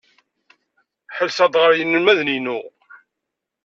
Ḥellseɣ-d ɣer yinelmaden-inu.